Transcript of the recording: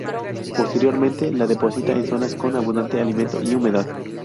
Posteriormente la deposita en zonas con abundante alimento y humedad.